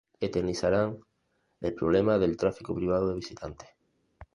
eternizarán el problema del tráfico privado de visitantes